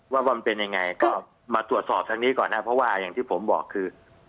ว่ามันเป็นยังไงก็มาตรวจสอบทางนี้ก่อนนะเพราะว่าอย่างที่ผมบอกคือ